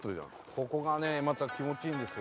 ここがねまた気持ちいいんですよ